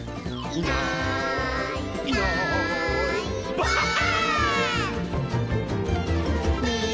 「いないいないばあっ！」